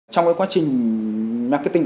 trong cái quá trình marketing